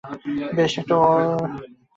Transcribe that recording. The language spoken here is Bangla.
বেশ, একটা অগ্নুত্সব মেলাফিসেন্টকে থামাতে পারবেনা।